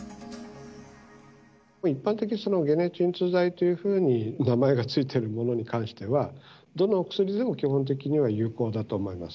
一般的に解熱鎮痛剤というふうに名前が付いているものに関しては、どのお薬でも基本的には有効だと思います。